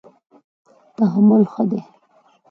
تحمل ښه دی.